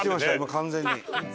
完全に。